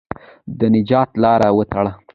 د نجات لاره وتړه.